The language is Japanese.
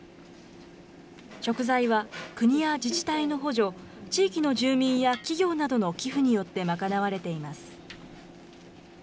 食材は国や自治体の補助、地域の住民や企業などの寄付によって賄われています。